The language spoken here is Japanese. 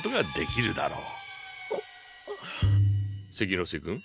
関ノ瀬君？